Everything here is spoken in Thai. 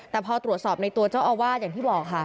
แต่พอตรวจสอบในตัวเจ้าอาวาสอย่างที่บอกค่ะ